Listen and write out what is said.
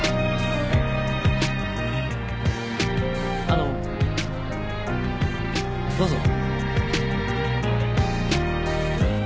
あのどうぞ。